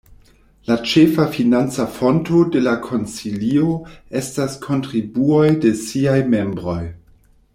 La ĉefa financa fonto de la Konsilio estas kontribuoj de siaj membroj.